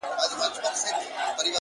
• د بل رهبر وي د ځان هینداره ,